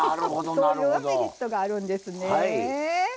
そういうメリットがあるんですね。